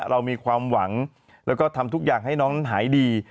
เรามีความหวังแล้วก็ทำทุกอย่างให้น้องนั้นหายดี